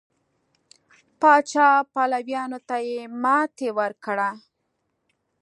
پاچا پلویانو ته یې ماتې ورکړه.